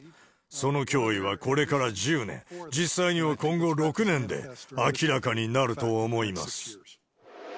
その脅威は、これから１０年、実際には今後６年で明らかになると思います。